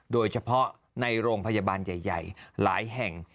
โดยเฉพาะในโรงพยาบาลใหญ่หลายแห่ง